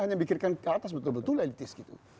hanya pikirkan keatas betul betul elitis